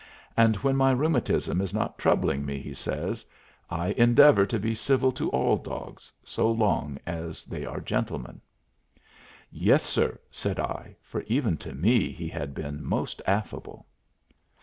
"And when my rheumatism is not troubling me," he says, "I endeavor to be civil to all dogs, so long as they are gentlemen." "Yes, sir," said I, for even to me he had been most affable.